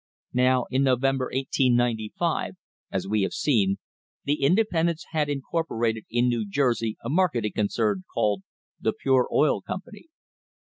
Now, in November, 1895, as we have seen, the independents had in corporated in New Jersey a marketing concern called the Pure Oil Company.